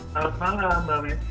selamat malam mbak mesty